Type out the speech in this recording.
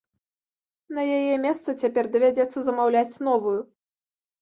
На яе месца цяпер давядзецца замаўляць новую.